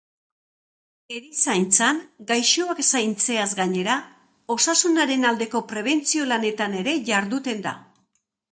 Erizaintzan, gaixoak zaintzeaz gainera, osasunaren aldeko prebentzio lanetan ere jarduten da.